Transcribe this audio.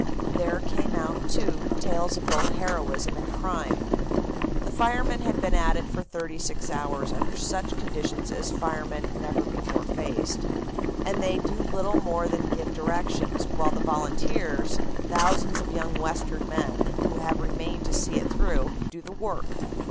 "There came out, too, tales of both heroism and crime. The firemen had been at it for thirty six hours under such conditions as firemen never before faced, and they do little more than give directions, while the volunteers, thousands of young Western men who have remained to see it through, do the work.